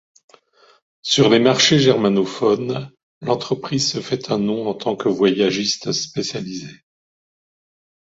Sur les marchés germanophones l'entreprise se fait un nom en tant que voyagiste spécialisé.